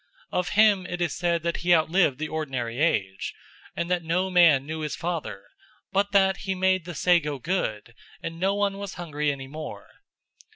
Of him it is said that he outlived the ordinary age, and that no man knew his father, but that he made the sago good and no one was hungry any more.